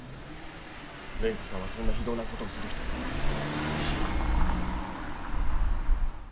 蓮子さんはそんな非道な事をする人ではないでしょう。